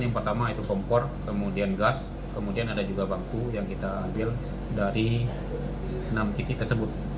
yang pertama itu kompor kemudian gas kemudian ada juga bangku yang kita ambil dari enam titik tersebut